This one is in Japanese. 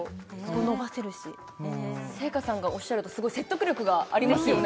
伸ばせるし星夏さんがおっしゃるとすごい説得力がありますよね